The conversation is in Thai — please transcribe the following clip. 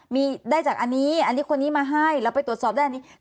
มีได้จากอันนี้อันนี้คนนี้มาให้แล้วไปตรวจสอบได้อันนี้